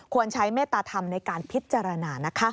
ใช้เมตตาธรรมในการพิจารณานะคะ